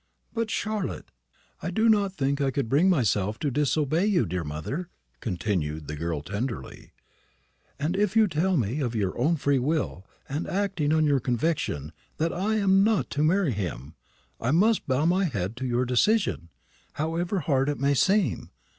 "But, Charlotte " "I do not think I could bring myself to disobey you, dear mother," continued the girl tenderly; "and if you tell me, of your own free will, and acting on your conviction, that I am not to marry him, I must bow my head to your decision, however hard it may seem.